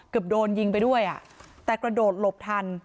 เกือบโดนยิงไปด้วยแต่กระโดดหลบทัน